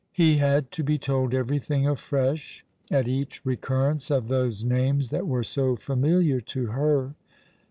He had to be told everything afresh at each recurrence of those names that were so familiar to her.